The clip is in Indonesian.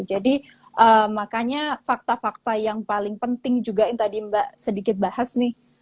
jadi makanya fakta fakta yang paling penting juga yang tadi mbak sedikit bahas nih